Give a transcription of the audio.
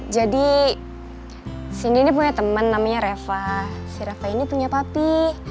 jadi sindi ini punya temen namanya reva si reva ini punya papi